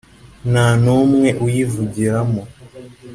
Nta numwe uyivugiramo